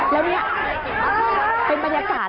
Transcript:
แล้วนี่เป็นบรรยากาศ